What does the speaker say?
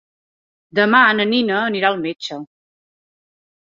Demà na Nina anirà al metge.